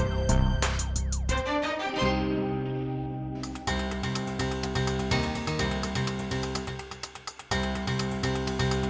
kamu berguna driving